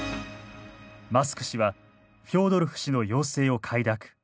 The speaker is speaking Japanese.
マスク氏はフョードロフ氏の要請を快諾。